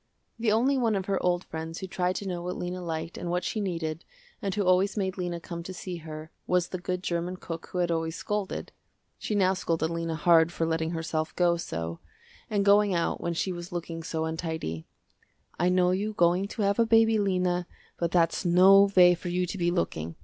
The only one of her old friends who tried to know what Lena liked and what she needed, and who always made Lena come to see her, was the good german cook who had always scolded. She now scolded Lena hard for letting herself go so, and going out when she was looking so untidy. "I know you going to have a baby Lena, but that's no way for you to be looking.